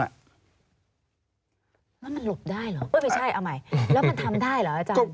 แล้วมันหลบได้เหรอเออไม่ใช่เอาใหม่แล้วมันทำได้เหรออาจารย์